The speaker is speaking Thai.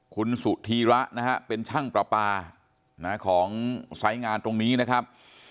คุณสุธีระนะฮะเป็นช่างประปาของสายงานตรงนี้นะครับ